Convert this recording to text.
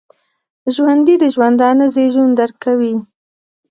ژوندي د ژوندانه زیږون درک کوي